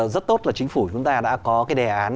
rất tốt là chính phủ chúng ta đã có cái đề án